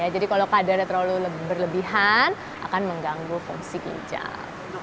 jadi kalau kadarnya terlalu berlebihan akan mengganggu fungsi ginjal